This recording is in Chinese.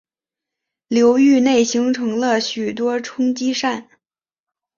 流域内形成了许多冲积扇。